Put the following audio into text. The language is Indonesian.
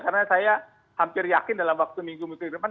karena saya hampir yakin dalam waktu minggu mungkin irfan